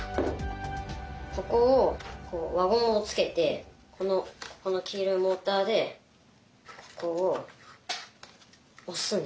ここを輪ゴムをつけてこの黄色いモーターでここを押すんですよね。